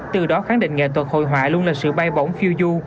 từ đó khẳng định nghệ thuật hội họa luôn là sự bay bỗng phiêu du